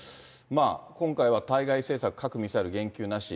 今回は対外政策、核・ミサイル言及なし。